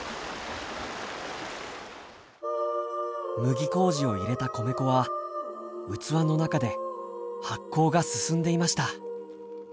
麦麹を入れた米粉は器の中で発酵が進んでいました。